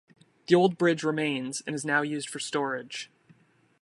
The old bridge remains and is now used for storage.